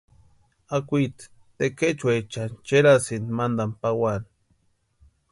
Akwitsi tekechuechani cherasïnti mantani pawani.